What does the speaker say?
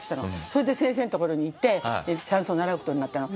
それで先生のところに行ってシャンソン習う事になったの。